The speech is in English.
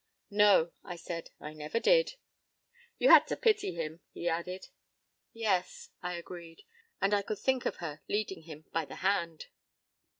p> "No," I said, "I never did." "You had to pity him," he added. "Yes," I agreed.—And I could think of her leading him by the hand.